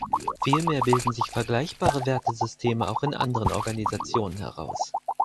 Vielmehr bilden sich vergleichbare Wertesysteme auch in anderen Organisationen heraus.